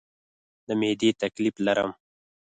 د معدې تکلیف لرم